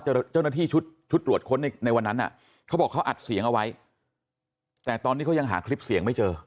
เจ้าหน้าที่ชุดตรวจค้นในในวันนั้นเขาบอกเขาอัดเสียงเอาไว้แต่ตอนนี้เขายังหาคลิปเสียงไม่เจอ